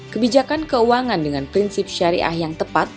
kebijakan keuangan dengan prinsip syariah yang tepat